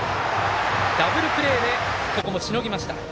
ダブルプレーでここもしのぎました。